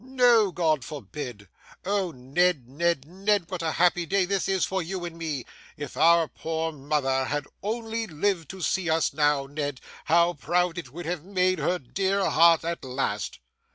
No, God forbid! Oh, Ned, Ned, Ned, what a happy day this is for you and me! If our poor mother had only lived to see us now, Ned, how proud it would have made her dear heart at last!